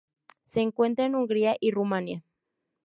Se encuentra en Hungría y Rumania.